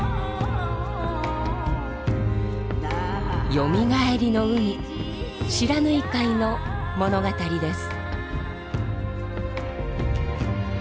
よみがえりの海不知火海の物語です。